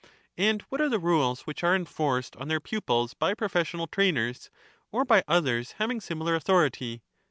And what are the rules which are enforced on their case— that pupils by professional trainers or by others having similar impossible authority?